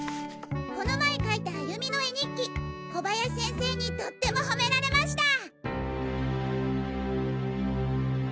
この前書いた歩美の絵日記小林先生にとっても褒められました」。